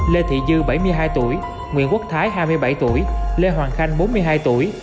lê thị dư bảy mươi hai tuổi nguyễn quốc thái hai mươi bảy tuổi lê hoàng khanh bốn mươi hai tuổi